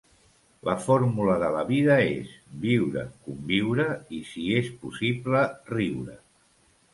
La fórmula de la vida és: viure, conviure i, si és possible, riure.